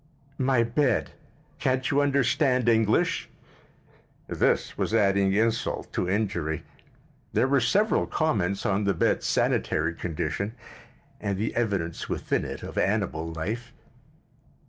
"My bed. Can't you understand English?" This was adding insult to injury. There were several comments on the bed's sanitary condition and the evidence within it of animal life.